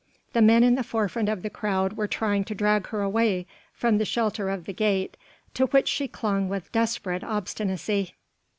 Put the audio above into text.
The men in the forefront of the crowd were trying to drag her away from the shelter of the gate to which she clung with desperate obstinacy.